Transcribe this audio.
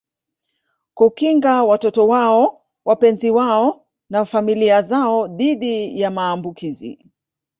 Kukinga watoto wao wapenzi wao na familia zao dhidi ya maambukizi